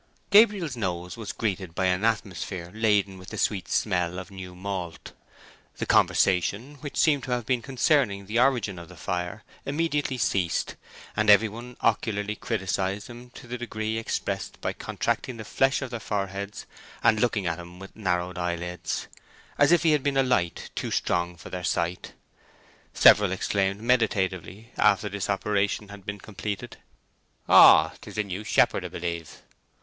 Gabriel's nose was greeted by an atmosphere laden with the sweet smell of new malt. The conversation (which seemed to have been concerning the origin of the fire) immediately ceased, and every one ocularly criticised him to the degree expressed by contracting the flesh of their foreheads and looking at him with narrowed eyelids, as if he had been a light too strong for their sight. Several exclaimed meditatively, after this operation had been completed:— "Oh, 'tis the new shepherd, 'a b'lieve."